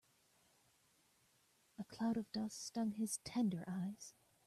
A cloud of dust stung his tender eyes.